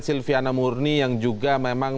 silviana murni yang juga memang